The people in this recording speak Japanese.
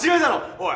おい。